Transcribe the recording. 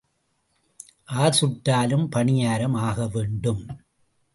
R சுட்டாலும் பணியாரம் ஆகவேண்டும்.